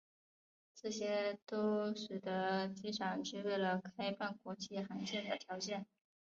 这些都使得机场具备了开办国际航线的条件。